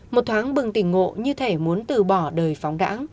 một thoáng bừng tỉnh ngộ như thể muốn từ bỏ đời phóng đẵng